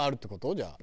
じゃあ。